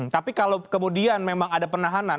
tapi kalau kemudian memang ada penahanan